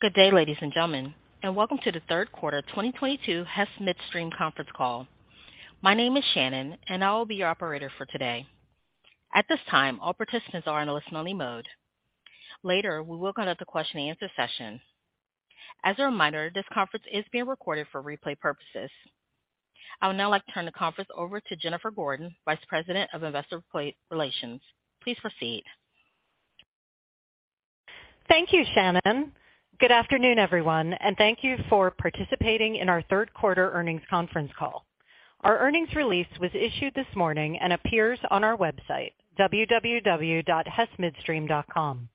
Good day, ladies and gentlemen, and welcome to the third quarter 2022 Hess Midstream conference call. My name is Shannon, and I will be your operator for today. At this time, all participants are in a listen-only mode. Later, we will conduct a question and answer session. As a reminder, this conference is being recorded for replay purposes. I would now like to turn the conference over to Jennifer Gordon, Vice President of Investor Relations. Please proceed. Thank you, Shannon. Good afternoon, everyone, and thank you for participating in our third quarter earnings conference call. Our earnings release was issued this morning and appears on our website, www.hessmidstream.com.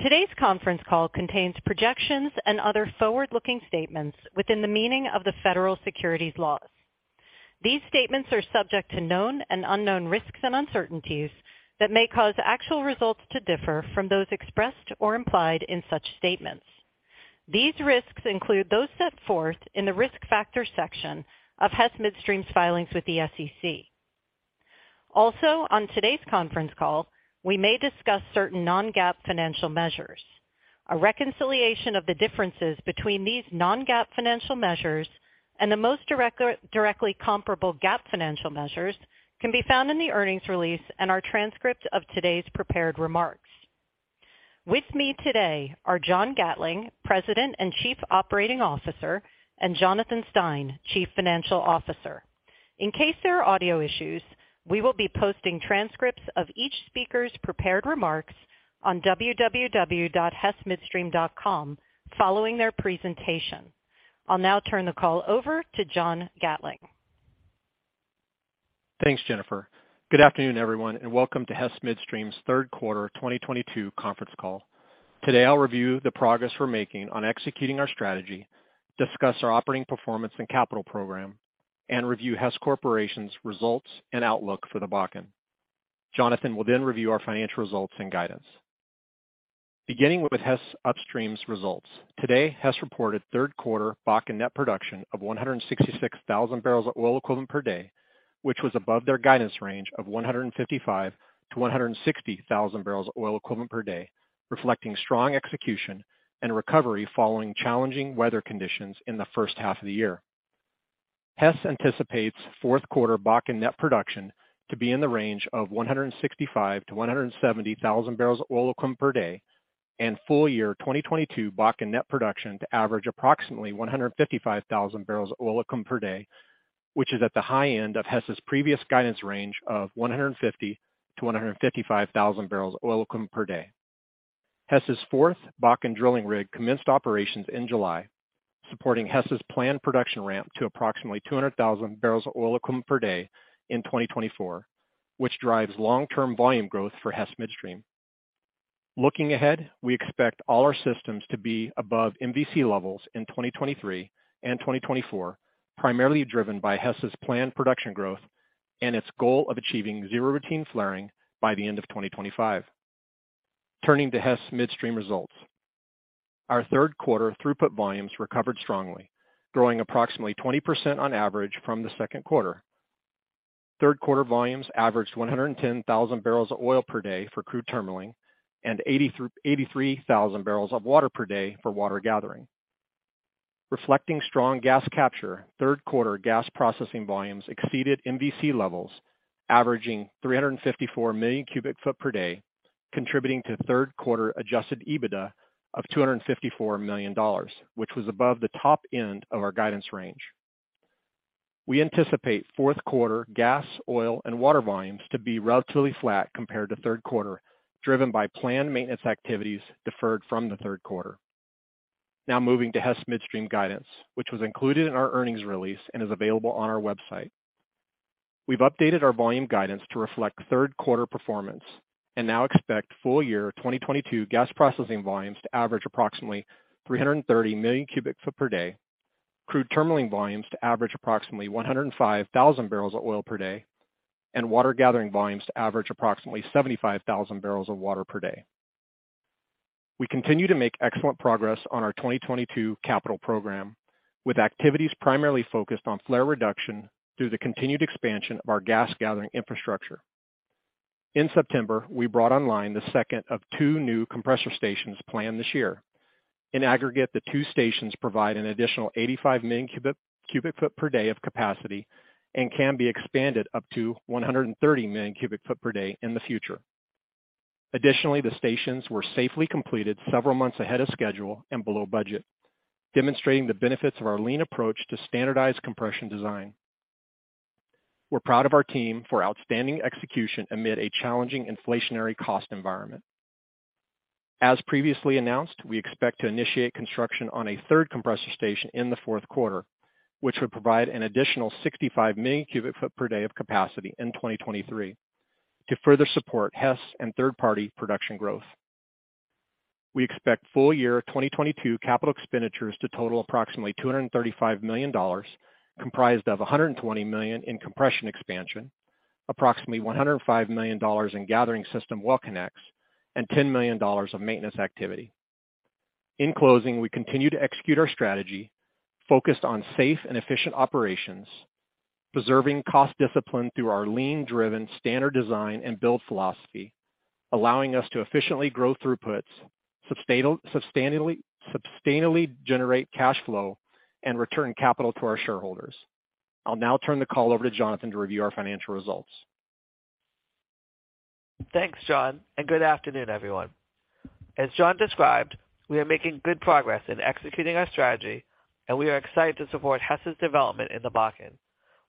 Today's conference call contains projections and other forward-looking statements within the meaning of the federal securities laws. These statements are subject to known and unknown risks and uncertainties that may cause actual results to differ from those expressed or implied in such statements. These risks include those set forth in the risk factors section of Hess Midstream's filings with the SEC. Also, on today's conference call, we may discuss certain non-GAAP financial measures. A reconciliation of the differences between these non-GAAP financial measures and the most directly comparable GAAP financial measures can be found in the earnings release and our transcript of today's prepared remarks. With me today are John Gatling, President and Chief Operating Officer, and Jonathan Stein, Chief Financial Officer. In case there are audio issues, we will be posting transcripts of each speaker's prepared remarks on www.hessmidstream.com following their presentation. I'll now turn the call over to John Gatling. Thanks, Jennifer. Good afternoon, everyone, and welcome to Hess Midstream's third quarter 2022 conference call. Today, I'll review the progress we're making on executing our strategy, discuss our operating performance and capital program, and review Hess Corporation's results and outlook for the Bakken. Jonathan will then review our financial results and guidance. Beginning with Hess Upstream's results. Today, Hess reported third quarter Bakken net production of 166,000 barrels of oil equivalent per day, which was above their guidance range of 155,000-160,000 barrels of oil equivalent per day, reflecting strong execution and recovery following challenging weather conditions in the first half of the year. Hess anticipates fourth quarter Bakken net production to be in the range of 165,000-170,000 barrels of oil equivalent per day and full year 2022 Bakken net production to average approximately 155,000 barrels of oil equivalent per day, which is at the high end of Hess's previous guidance range of 150,000-155,000 barrels of oil equivalent per day. Hess's fourth Bakken drilling rig commenced operations in July, supporting Hess's planned production ramp to approximately 200,000 barrels of oil equivalent per day in 2024, which drives long-term volume growth for Hess Midstream. Looking ahead, we expect all our systems to be above MVC levels in 2023 and 2024, primarily driven by Hess's planned production growth and its goal of achieving zero routine flaring by the end of 2025. Turning to Hess Midstream results. Our third quarter throughput volumes recovered strongly, growing approximately 20% on average from the second quarter. Third-quarter volumes averaged 110,000 barrels of oil per day for crude terminaling and 83,000 barrels of water per day for water gathering. Reflecting strong gas capture, third-quarter gas processing volumes exceeded MVC levels, averaging 354 million cubic feet per day, contributing to third-quarter Adjusted EBITDA of $254 million, which was above the top end of our guidance range. We anticipate fourth quarter gas, oil, and water volumes to be relatively flat compared to third quarter, driven by planned maintenance activities deferred from the third quarter. Now moving to Hess Midstream guidance, which was included in our earnings release and is available on our website. We've updated our volume guidance to reflect third-quarter performance and now expect full year 2022 gas processing volumes to average approximately 330 million cubic feet per day, crude terminaling volumes to average approximately 105,000 barrels of oil per day, and water gathering volumes to average approximately 75,000 barrels of water per day. We continue to make excellent progress on our 2022 capital program, with activities primarily focused on flare reduction through the continued expansion of our gas gathering infrastructure. In September, we brought online the second of two new compressor stations planned this year. In aggregate, the two stations provide an additional 85 million cubic foot per day of capacity and can be expanded up to 130 million cubic foot per day in the future. Additionally, the stations were safely completed several months ahead of schedule and below budget, demonstrating the benefits of our lean approach to standardized compression design. We're proud of our team for outstanding execution amid a challenging inflationary cost environment. As previously announced, we expect to initiate construction on a third compressor station in the fourth quarter, which would provide an additional 65 million cubic foot per day of capacity in 2023 to further support Hess and third-party production growth. We expect full year 2022 capital expenditures to total approximately $235 million, comprised of $120 million in compression expansion, approximately $105 million in gathering system well connects, and $10 million of maintenance activity. In closing, we continue to execute our strategy focused on safe and efficient operations. Preserving cost discipline through our lean driven standard design and build philosophy, allowing us to efficiently grow throughputs, sustainably generate cash flow and return capital to our shareholders. I'll now turn the call over to Jonathan to review our financial results. Thanks, John, and good afternoon, everyone. As John described, we are making good progress in executing our strategy, and we are excited to support Hess's development in the Bakken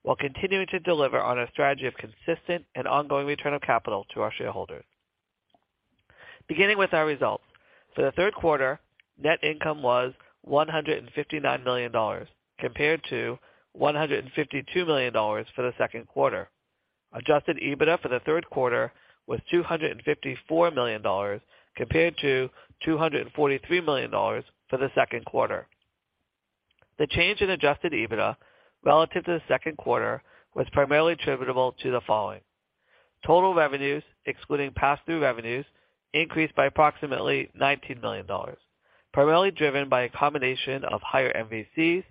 while continuing to deliver on our strategy of consistent and ongoing return of capital to our shareholders. Beginning with our results. For the third quarter, net income was $159 million compared to $152 million for the second quarter. Adjusted EBITDA for the third quarter was $254 million compared to $243 million for the second quarter. The change in adjusted EBITDA relative to the second quarter was primarily attributable to the following. Total revenues, excluding pass-through revenues, increased by approximately $19 million, primarily driven by a combination of higher MVCs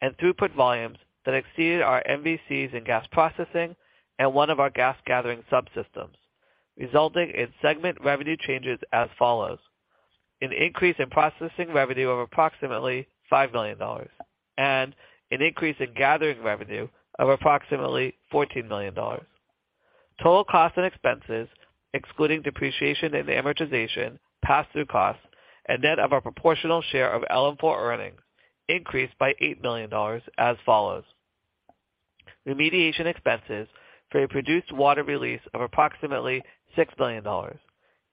and throughput volumes that exceeded our MVCs in gas processing and one of our gas gathering subsystems, resulting in segment revenue changes as follows. An increase in processing revenue of approximately $5 million and an increase in gathering revenue of approximately $14 million. Total costs and expenses, excluding depreciation and amortization, pass-through costs, and net of our proportional share of LM4 earnings increased by $8 million as follows. Remediation expenses for a produced water release of approximately $6 million,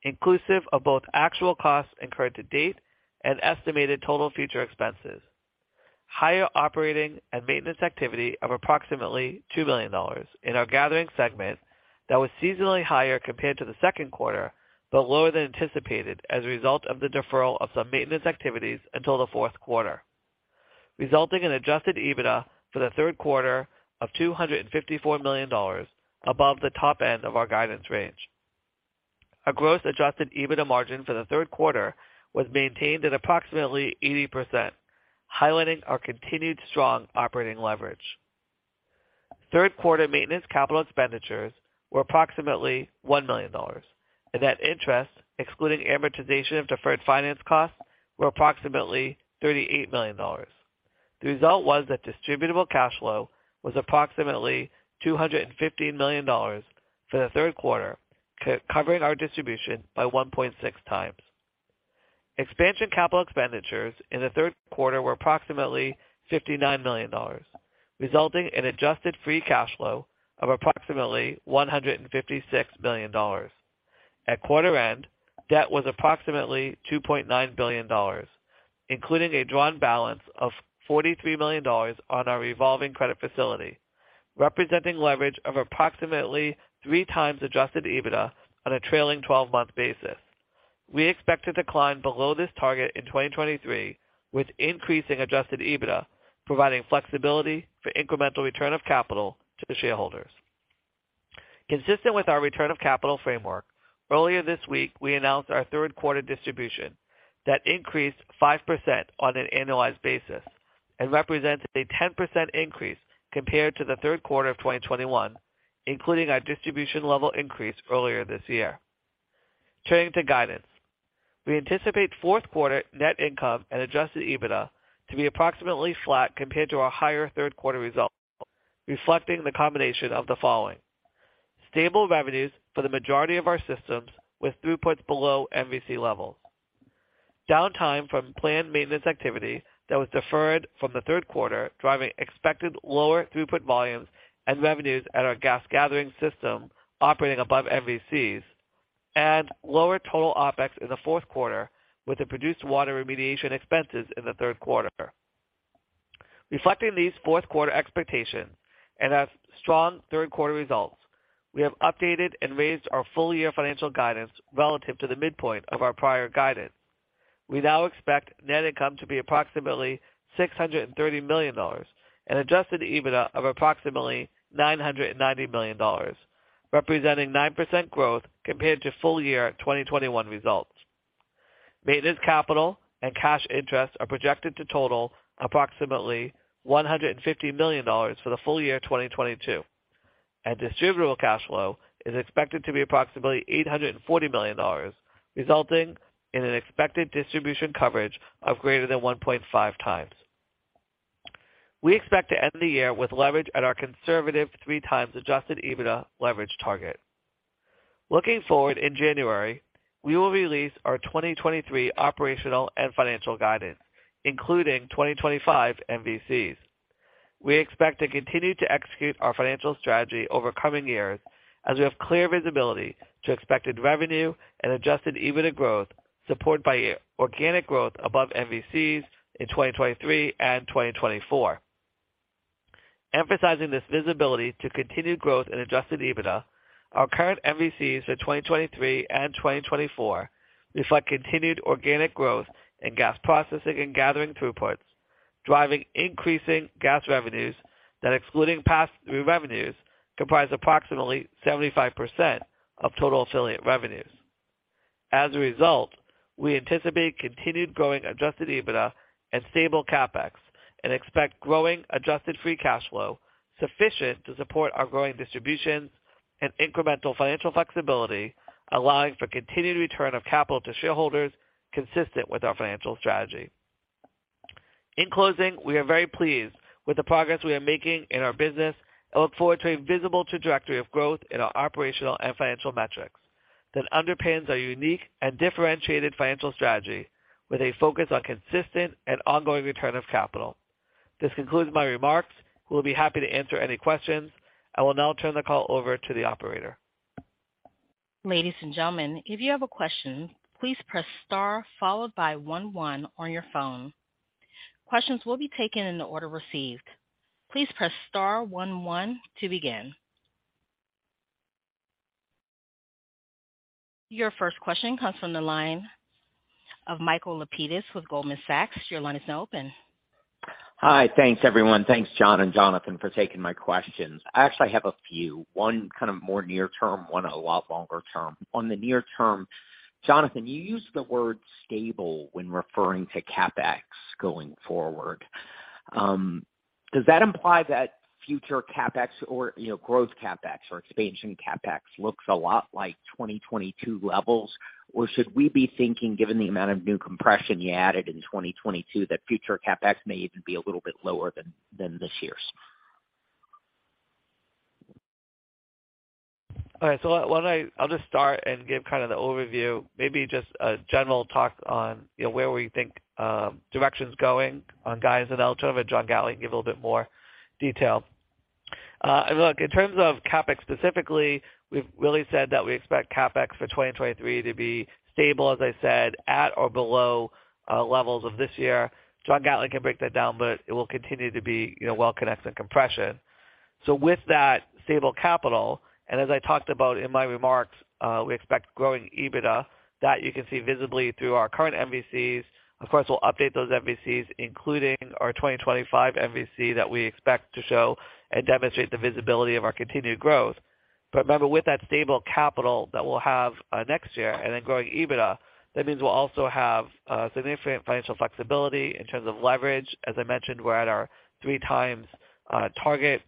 inclusive of both actual costs incurred to date and estimated total future expenses. Higher operating and maintenance activity of approximately $2 million in our gathering segment that was seasonally higher compared to the second quarter, but lower than anticipated as a result of the deferral of some maintenance activities until the fourth quarter, resulting in Adjusted EBITDA for the third quarter of $254 million above the top end of our guidance range. Our gross Adjusted EBITDA margin for the third quarter was maintained at approximately 80%, highlighting our continued strong operating leverage. Third quarter maintenance capital expenditures were approximately $1 million, and net interest, excluding amortization of deferred finance costs, were approximately $38 million. The result was that Distributable Cash Flow was approximately $215 million for the third quarter, coverage our distribution by 1.6 times. Expansion capital expenditures in the third quarter were approximately $59 million, resulting Free Cash Flow of approximately $156 million. At quarter end, debt was approximately $2.9 billion, including a drawn balance of $43 million on our revolving credit facility, representing leverage of approximately 3x Adjusted EBITDA on a trailing twelve-month basis. We expect to decline below this target in 2023, with increasing Adjusted EBITDA, providing flexibility for incremental return of capital to the shareholders. Consistent with our return of capital framework, earlier this week, we announced our third quarter distribution that increased 5% on an annualized basis and represents a 10% increase compared to the third quarter of 2021, including our distribution level increase earlier this year. Turning to guidance. We anticipate fourth quarter net income and Adjusted EBITDA to be approximately flat compared to our higher third quarter results, reflecting the combination of the following. Stable revenues for the majority of our systems with throughputs below MVC levels. Downtime from planned maintenance activity that was deferred from the third quarter, driving expected lower throughput volumes and revenues at our gas gathering system operating above MVCs and lower total OpEx in the fourth quarter with the produced water remediation expenses in the third quarter. Reflecting these fourth quarter expectations and our strong third quarter results, we have updated and raised our full-year financial guidance relative to the midpoint of our prior guidance. We now expect net income to be approximately $630 million and Adjusted EBITDA of approximately $990 million, representing 9% growth compared to full-year 2021 results. Maintenance, capital and cash interest are projected to total approximately $150 million for the full year 2022, and Distributable Cash Flow is expected to be approximately $840 million, resulting in an expected distribution coverage of greater than 1.5x. We expect to end the year with leverage at our conservative 3x Adjusted EBITDA leverage target. Looking forward, in January, we will release our 2023 operational and financial guidance, including 2025 MVCs. We expect to continue to execute our financial strategy over coming years as we have clear visibility to expected revenue and Adjusted EBITDA growth, supported by organic growth above MVCs in 2023 and 2024. Emphasizing this visibility to continued growth in Adjusted EBITDA, our current MVCs for 2023 and 2024 reflect continued organic growth in gas processing and gathering throughputs, driving increasing gas revenues that, excluding pass-through revenues, comprise approximately 75% of total affiliate revenues. As a result, we anticipate continued growing Adjusted EBITDA and stable CapEx and expect growing Adjusted Free Cash Flow sufficient to support our growing distributions and incremental financial flexibility, allowing for continued return of capital to shareholders consistent with our financial strategy. In closing, we are very pleased with the progress we are making in our business and look forward to a visible trajectory of growth in our operational and financial metrics that underpins our unique and differentiated financial strategy with a focus on consistent and ongoing return of capital. This concludes my remarks. We'll be happy to answer any questions. I will now turn the call over to the operator. Ladies and gentlemen, if you have a question, please press star followed by one on your phone. Questions will be taken in the order received. Please press star one one to begin. Your first question comes from the line of Michael Lapides with Goldman Sachs. Your line is now open. Hi. Thanks everyone. Thanks John and Jonathan for taking my questions. I actually have a few. One kind of more near term, one a lot longer term. On the near term, Jonathan, you used the word stable when referring to CapEx going forward. Does that imply that future CapEx or, you know, growth CapEx or expansion CapEx looks a lot like 2022 levels? Or should we be thinking, given the amount of new compression you added in 2022, that future CapEx may even be a little bit lower than this year's? All right. I'll just start and give kind of the overview, maybe just a general talk on, you know, where we think direction's going on guidance. Then I'll turn it over to John Gatling to give a little bit more detail. Look, in terms of CapEx specifically, we've really said that we expect CapEx for 2023 to be stable, as I said, at or below levels of this year. John Gatling can break that down, but it will continue to be, you know, well connects and compression. With that stable capital, and as I talked about in my remarks, we expect growing EBITDA that you can see visibly through our current MVCs. Of course, we'll update those MVCs, including our 2025 MVC that we expect to show and demonstrate the visibility of our continued growth. Remember, with that stable capital that we'll have next year and then growing EBITDA, that means we'll also have significant financial flexibility in terms of leverage. As I mentioned, we're at our 3x target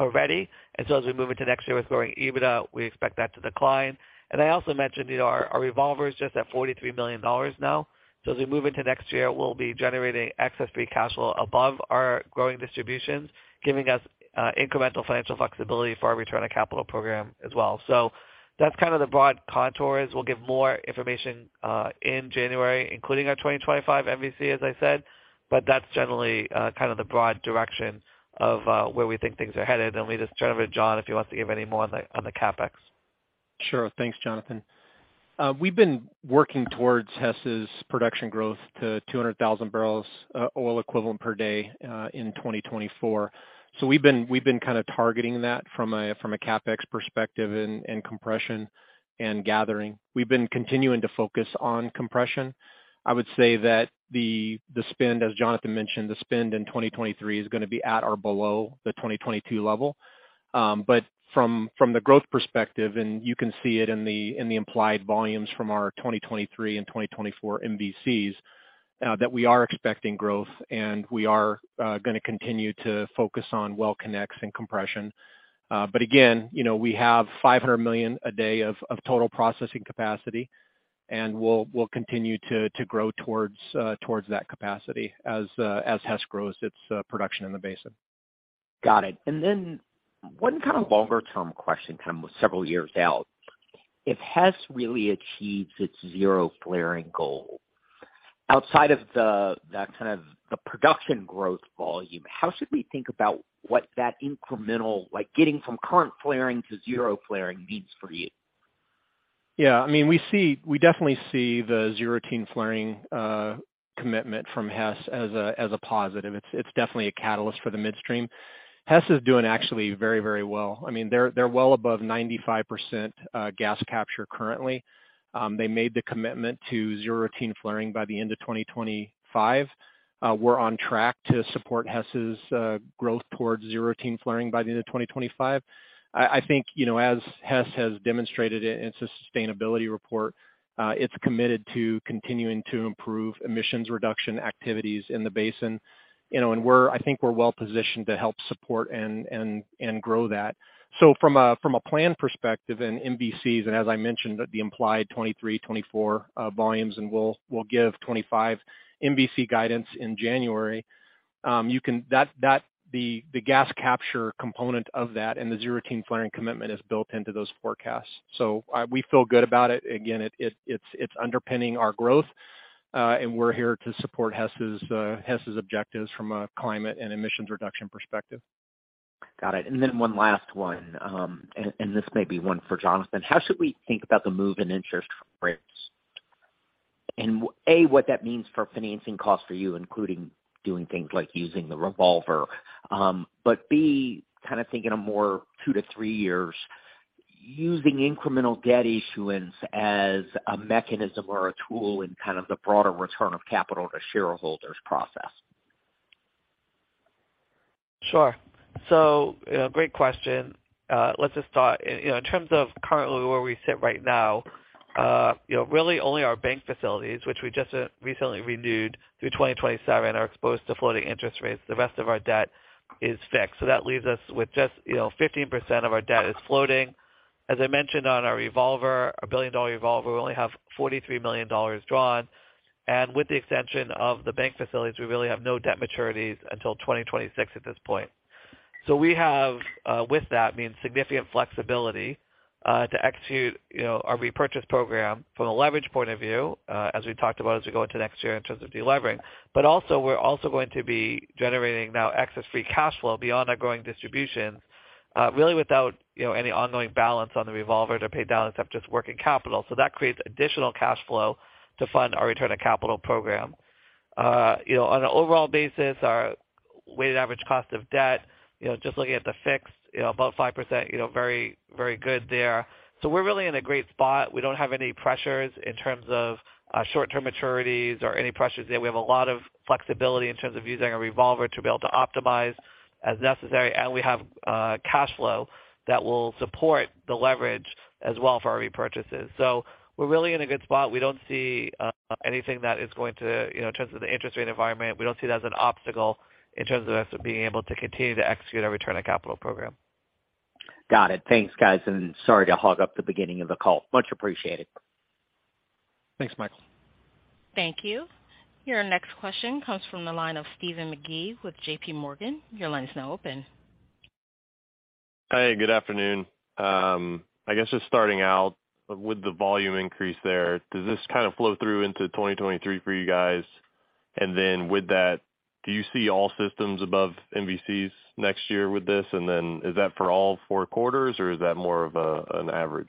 already. As we move into next year with growing EBITDA, we expect that to decline. I also mentioned our revolver is just at $43 million now. As we move into next year, we'll be generating excess Free Cash Flow above our growing distributions, giving us incremental financial flexibility for our return on capital program as well. That's kind of the broad contours. We'll give more information in January, including our 2025 MVC, as I said. That's generally kind of the broad direction of where we think things are headed. Let me just turn it over to John if he wants to give any more on the CapEx. Sure. Thanks, Jonathan. We've been working towards Hess's production growth to 200,000 barrels of oil equivalent per day in 2024. We've been kind of targeting that from a CapEx perspective in compression and gathering. We've been continuing to focus on compression. I would say that the spend, as Jonathan mentioned, in 2023 is gonna be at or below the 2022 level. From the growth perspective, you can see it in the implied volumes from our 2023 and 2024 MVCs, that we are expecting growth and we are gonna continue to focus on well connects and compression. Again, you know, we have 500 million a day of total processing capacity, and we'll continue to grow towards that capacity as Hess grows its production in the basin. Got it. One kind of longer-term question, kind of several years out. If Hess really achieves its zero flaring goal, outside of the kind of production growth volume, how should we think about what that incremental like getting from current flaring to zero flaring means for you? Yeah, I mean, we definitely see the zero routine flaring commitment from Hess as a positive. It's definitely a catalyst for the midstream. Hess is doing actually very well. I mean, they're well above 95% gas capture currently. They made the commitment to zero routine flaring by the end of 2025. We're on track to support Hess's growth towards zero routine flaring by the end of 2025. I think, you know, as Hess has demonstrated in its sustainability report, it's committed to continuing to improve emissions reduction activities in the basin. You know, I think we're well-positioned to help support and grow that. From a planning perspective in MVCs, and as I mentioned, the implied 2023, 2024 volumes, and we'll give 2025 MVC guidance in January. The gas capture component of that and the zero routine flaring commitment is built into those forecasts. We feel good about it. Again, it's underpinning our growth, and we're here to support Hess's objectives from a climate and emissions reduction perspective. Got it. One last one, this may be one for Jonathan. How should we think about the move in interest rates? A, what that means for financing costs for you, including doing things like using the revolver. B, kind of think in a more two to three years using incremental debt issuance as a mechanism or a tool in kind of the broader return of capital to shareholders process. Sure. You know, great question. Let's just start, you know, in terms of currently where we sit right now, you know, really only our bank facilities, which we just, recently renewed through 2027 are exposed to floating interest rates. The rest of our debt is fixed. That leaves us with just, you know, 15% of our debt is floating. As I mentioned on our revolver, our $1 billion-dollar revolver, we only have $43 million drawn. With the extension of the bank facilities, we really have no debt maturities until 2026 at this point. We have, with that means significant flexibility, to execute, you know, our repurchase program from a leverage point of view, as we talked about as we go into next year in terms of delevering. Also, we're also going to be generating now excess Free Cash Flow beyond our growing distributions, really without, you know, any ongoing balance on the revolver to pay down except just working capital. That creates additional cash flow to fund our return on capital program. You know, on an overall basis, our weighted average cost of debt, you know, just looking at the fixed, you know, above 5%, you know, very, very good there. We're really in a great spot. We don't have any pressures in terms of short-term maturities or any pressures there. We have a lot of flexibility in terms of using a revolver to be able to optimize as necessary. We have cash flow that will support the leverage as well for our repurchases. We're really in a good spot. We don't see anything that is going to, you know, in terms of the interest rate environment, we don't see it as an obstacle in terms of us being able to continue to execute our return on capital program. Got it. Thanks, guys. Sorry to hog up the beginning of the call. Much appreciated. Thanks, Michael. Thank you. Your next question comes from the line of Steven Gee with JPMorgan. Your line is now open. Hey, good afternoon. I guess just starting out, with the volume increase there, does this kinda flow through into 2023 for you guys? With that, do you see all systems above MVCs next year with this? Is that for all four quarters or is that more of an average?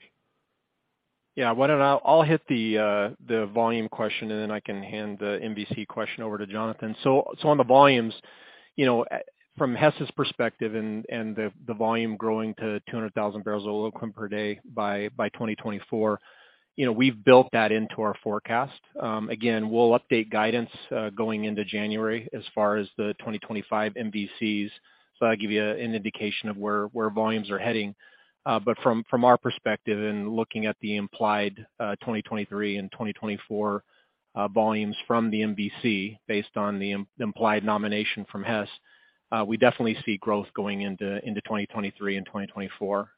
Yeah, why don't I. I'll hit the volume question and then I can hand the MVC question over to Jonathan. On the volumes, you know, from Hess's perspective and the volume growing to 200,000 barrels of oil equivalent per day by 2024, you know, we've built that into our forecast. Again, we'll update guidance going into January as far as the 2025 MVCs. That'll give you an indication of where volumes are heading. From our perspective and looking at the implied 2023 and 2024 volumes from the MVC based on the implied nomination from Hess, we definitely see growth going into 2023 and 2024.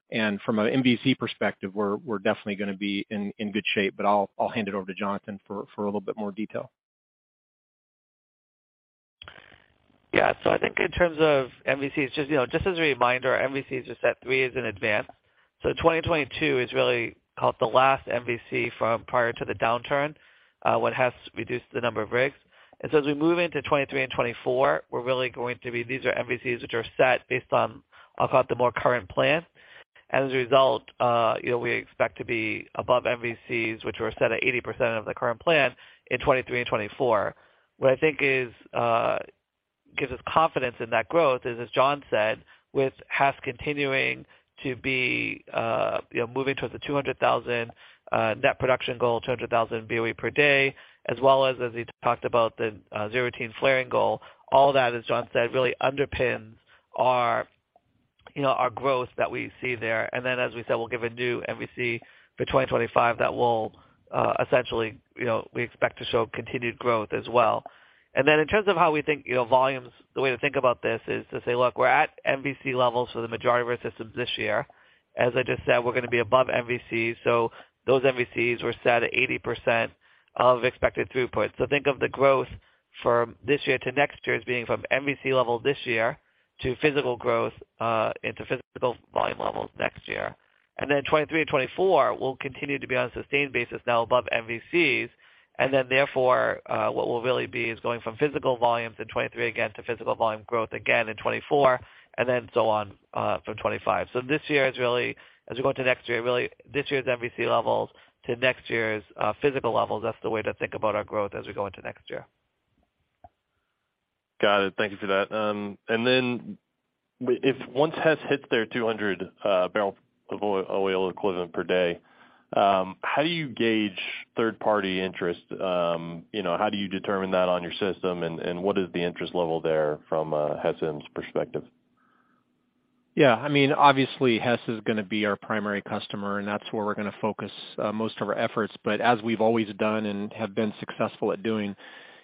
From an MVC perspective, we're definitely gonna be in good shape, but I'll hand it over to Jonathan for a little bit more detail. Yeah. I think in terms of MVCs, just, you know, as a reminder, our MVCs are set three years in advance. 2022 is really called the last MVC from prior to the downturn, when Hess reduced the number of rigs. As we move into 2023 and 2024, we're really going to be, these are MVCs which are set based on, I'll call it the more current plan. As a result, you know, we expect to be above MVCs, which were set at 80% of the current plan in 2023 and 2024. What I think is, gives us confidence in that growth is, as John said, with Hess continuing to be, you know, moving towards the 200,000 net production goal, 200,000 BOE per day, as well as he talked about the, zero routine flaring goal. All that, as John said, really underpins our, you know, our growth that we see there. We'll give a new MVC for 2025 that will, essentially, you know, we expect to show continued growth as well. In terms of how we think, you know, volumes, the way to think about this is to say, look, we're at MVC levels for the majority of our systems this year. As I just said, we're gonna be above MVC. Those MVCs were set at 80% of expected throughput. Think of the growth from this year to next year as being from MVC levels this year to physical growth into physical volume levels next year. 2023 and 2024 will continue to be on a sustained basis now above MVCs. Therefore what we'll really be is going from physical volumes in 2023 again to physical volume growth again in 2024 and then so on from 2025. This year is really, as we go into next year, really this year's MVC levels to next year's physical levels. That's the way to think about our growth as we go into next year. Got it. Thank you for that. Once Hess hits their 200 barrel of oil equivalent per day, how do you gauge third-party interest? You know, how do you determine that on your system and what is the interest level there from Hess's perspective? Yeah, I mean, obviously, Hess is gonna be our primary customer, and that's where we're gonna focus most of our efforts. As we've always done and have been successful at doing,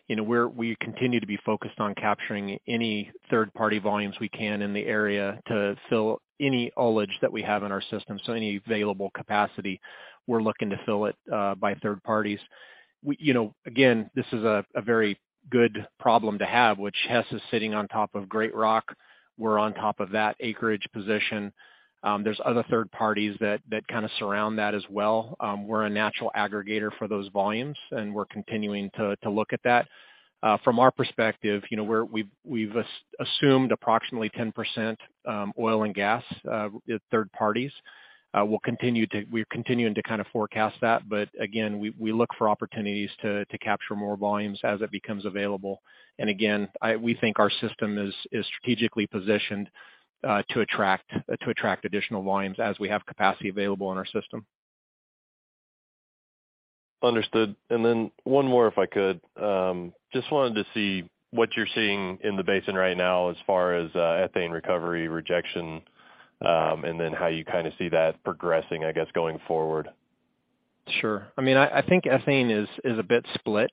you know, we continue to be focused on capturing any third-party volumes we can in the area to fill any idleness that we have in our system. Any available capacity, we're looking to fill it by third parties. You know, again, this is a very good problem to have, which Hess is sitting on top of Great Rock. We're on top of that acreage position. There's other third parties that kinda surround that as well. We're a natural aggregator for those volumes, and we're continuing to look at that. From our perspective, you know, we've assumed approximately 10% oil and gas third parties. We're continuing to kinda forecast that. Again, we look for opportunities to capture more volumes as it becomes available. We think our system is strategically positioned to attract additional volumes as we have capacity available in our system. Understood. One more, if I could. Just wanted to see what you're seeing in the basin right now as far as ethane recovery rejection, and then how you kinda see that progressing, I guess, going forward. Sure. I mean, I think ethane is a bit split.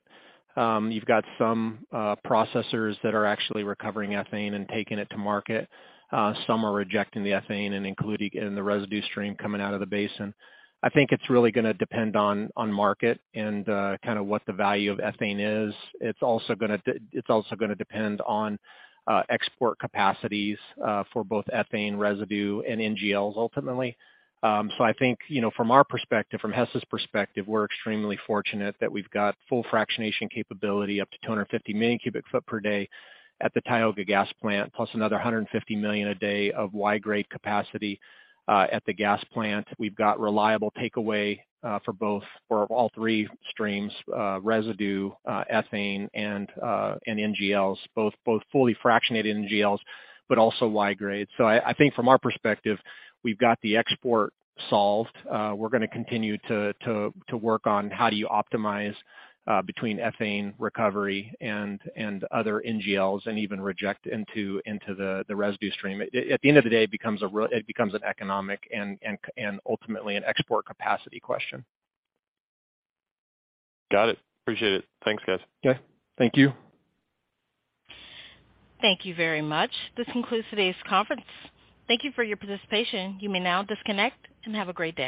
You've got some processors that are actually recovering ethane and taking it to market. Some are rejecting the ethane and including it in the residue stream coming out of the basin. I think it's really gonna depend on market and kinda what the value of ethane is. It's also gonna depend on export capacities for both ethane residue and NGLs ultimately. I think, you know, from our perspective, from Hess's perspective, we're extremely fortunate that we've got full fractionation capability up to 250 million cubic feet per day at the Tioga Gas Plant, plus another 150 million a day of Y-grade capacity at the gas plant. We've got reliable takeaway for all three streams, residue, ethane and NGLs, both fully fractionated NGLs, but also Y-grade. I think from our perspective, we've got the export solved. We're gonna continue to work on how do you optimize between ethane recovery and other NGLs and even reject into the residue stream. At the end of the day, it becomes an economic and commercial, and ultimately an export capacity question. Got it. Appreciate it. Thanks, guys. Yeah. Thank you. Thank you very much. This concludes today's conference. Thank you for your participation. You may now disconnect and have a great day.